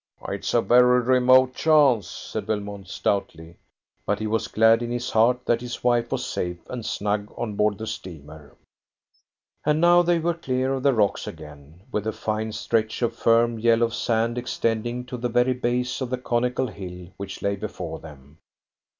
"It is a very remote chance," said Belmont stoutly, but he was glad in his heart that his wife was safe and snug on board the steamer. And now they were clear of the rocks again, with a fine stretch of firm yellow sand extending to the very base of the conical hill which lay before them.